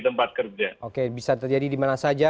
tempat kerja oke bisa terjadi dimana saja